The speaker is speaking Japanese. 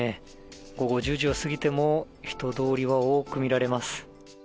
午後１０時を過ぎても人通りは多く見られます。